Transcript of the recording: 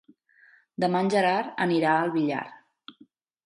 Demà en Gerard anirà al Villar.